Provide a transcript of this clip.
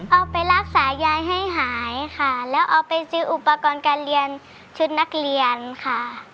เอาไปรักษายายให้หายค่ะแล้วเอาไปซื้ออุปกรณ์การเรียนชุดนักเรียนค่ะ